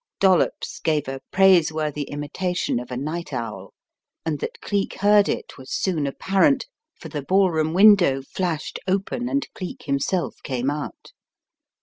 Dollops gave a praise worthy imitation of a night owl, and that Cleek heard it was soon apparent, for the ballroom window flashed open and Cleek himself came out.